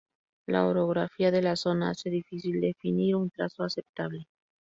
La orografía de la zona hace difícil definir un trazado aceptable.